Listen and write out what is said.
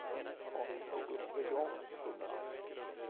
Har ni något veganskt på menyn?